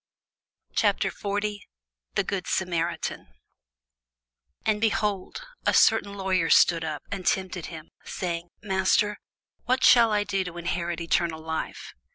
CHAPTER 40 THE GOOD SAMARITAN AND, behold, a certain lawyer stood up, and tempted him, saying, Master, what shall I do to inherit eternal life?